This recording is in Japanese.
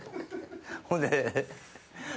ほんで。